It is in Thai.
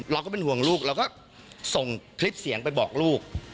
เราก็เป็นห่วงลูกเราก็ส่งคลิปเสียงไปบอกลูก